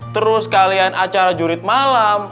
terus kalian acara jurid malam